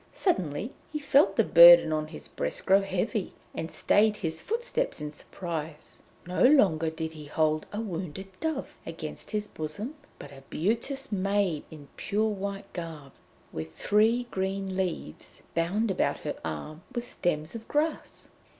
Suddenly he felt the burden on his breast grow heavy, and stayed his footsteps in surprise. No longer did he hold a wounded dove against his bosom, but a beauteous maiden in pure white garb, with three green leaves bound about her arm with stems of grass.